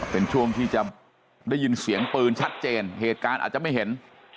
เป็นช่วงที่จะได้ยินเสียงปืนชัดเจนเหตุการณ์อาจจะไม่เห็น